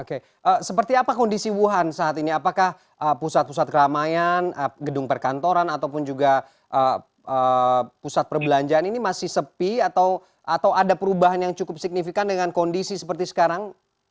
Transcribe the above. oke seperti apa kondisi wuhan saat ini apakah pusat pusat keramaian gedung perkantoran ataupun juga pusat perbelanjaan ini masih sepi atau ada perubahan yang cukup signifikan dengan kondisi seperti sekarang